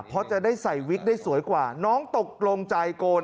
เพราะจะได้ใส่วิกได้สวยกว่าน้องตกลงใจโกน